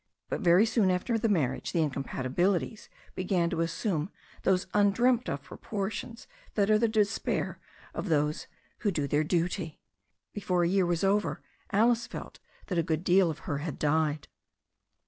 But very soon after the marriage the incompatibilities began to assume those undreamt of proportions that are the despair of those who would do their duty. Before a year was over Alice felt that a good deal of her had died.